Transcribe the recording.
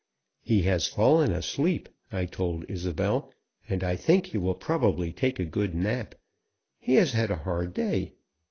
"He has fallen asleep," I told Isobel, "and I think he will probably take a good nap. He has had a hard day.